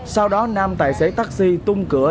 sau đó nam tài xế taxi tung cửa